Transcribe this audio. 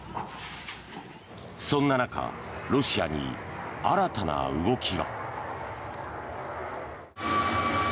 そんな中ロシアに新たな動きが。